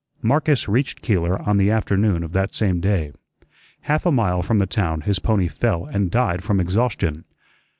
Marcus reached Keeler on the afternoon of that same day. Half a mile from the town his pony fell and died from exhaustion.